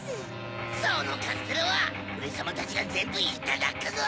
そのカステラはオレさまたちがぜんぶいただくぞ！